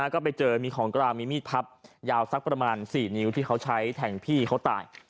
ก็ไปเจอมีของกลางมีมีดพับยาวสักประมาณ๔นิ้วที่เขาใช้แทงพี่เขาตาย